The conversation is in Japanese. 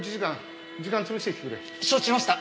承知しました。